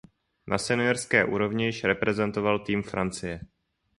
Na seniorské úrovni již reprezentoval tým Francie.